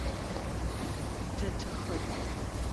Тэ тыхэт?